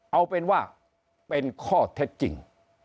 เอาเป็นว่าเป็นข้อเท็จจริง